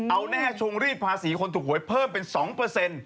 เอาแน่ชงรีดภาษีคนถูกหวยเพิ่มเป็น๒เปอร์เซ็นต์